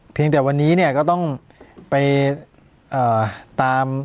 เพียงแต่วันนี้เนี่ยก็ต้องไปตาม